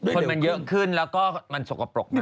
คนมันเยอะขึ้นแล้วก็มันสกปรกมาก